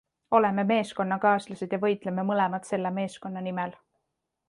Oleme meeskonnakaaslased ja võitleme mõlemad selle meeskonna nimel.